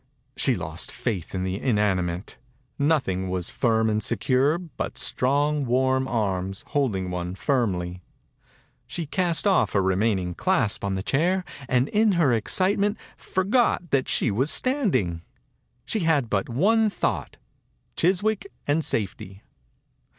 She lost faith in the inanimate. Nothing was firm and secure but strong, warm arms, holding one firmly. She cast off her remaining clasp on the chair and in her excitement forgot that she was standing. She had 92 THE INCUBATOR BABY but one thought, Chiswick and safety